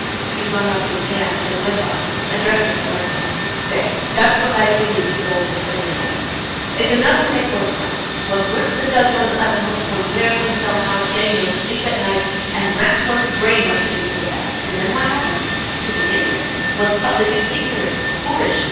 He flung up his hands, and went on, addressing Olenka: "There! that's the life we lead, Olga Semyonovna. It's enough to make one cry. One works and does one's utmost, one wears oneself out, getting no sleep at night, and racks one's brain what to do for the best. And then what happens? To begin with, one's public is ignorant, boorish.